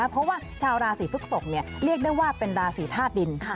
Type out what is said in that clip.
เพราะว่าชาวราศีพฤกษกเรียกได้ว่าเป็นราศีธาตุดิน